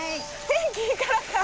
天気いいからか。